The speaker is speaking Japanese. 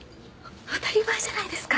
当たり前じゃないですか。